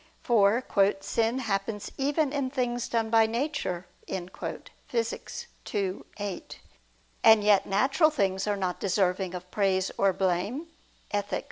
For "sin happens even in things done by nature" (Phys. ii, 8). And yet natural things are not deserving of praise or blame (Ethic.